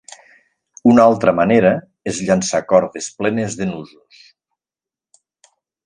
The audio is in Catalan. Una altra manera és llançar cordes plenes de nusos.